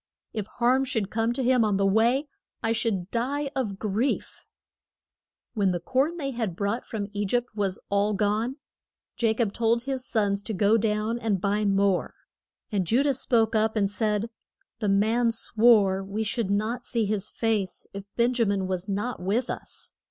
If harm should come to him on the way, I should die of grief. [Illustration: THE MEET ING OF JO SEPH AND BEN JA MIN.] When the corn they had brought from E gypt was all gone, Ja cob told his sons to go down and buy more. And Ju dah spoke up and said, The man swore we should not see his face if Ben ja min was not with us.